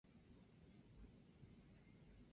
锥序丁公藤是旋花科丁公藤属的植物。